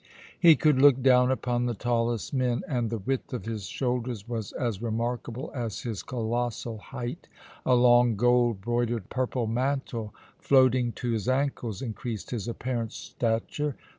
He could look down upon the tallest men, and the width of his shoulders was as remarkable as his colossal height. A long, gold broidered purple mantle, floating to his ancles, increased his apparent stature.